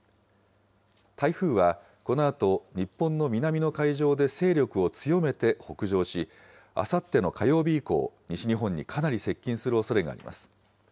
台風はこのあと日本の南の海上で勢力を強めて北上し、あさっての火曜日以降、西日本にかなり接近するおそれがあります。